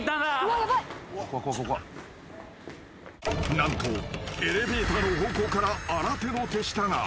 ［何とエレベーターの方向から新手の手下が］